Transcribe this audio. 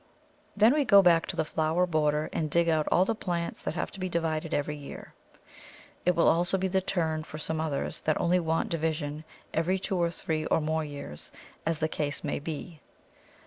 Then we go back to the flower border and dig out all the plants that have to be divided every year. It will also be the turn for some others that only want division every two or three or more years, as the case may be.